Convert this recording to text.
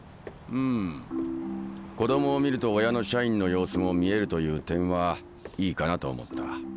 うん子供を見ると親の社員の様子も見えるという点はいいかなと思った。